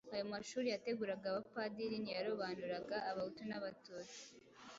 Ayo mashuri yateguraga abapadiri ntiyarobanuraga Abahutu n'Abatutsi